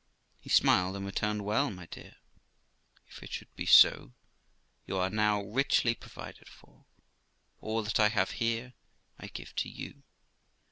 He smiled, and returned, ' Well, my dear, if it should be so, you are now richly provided for ; all that I have here, I give to you.'